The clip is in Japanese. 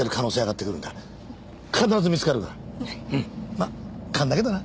まあ勘だけどな。